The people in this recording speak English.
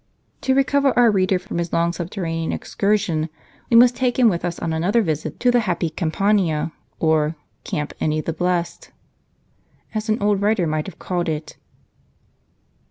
f^^O recover our reader from his long subterranean excursion, we must take him with us on another visit, to the "happy Campania," or, " Camp any the blest," as an old writer might have called it.